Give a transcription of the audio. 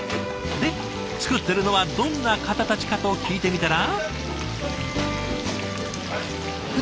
で作ってるのはどんな方たちかと聞いてみたら。